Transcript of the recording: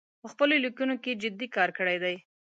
په خپلو لیکنو کې جدي کار کړی دی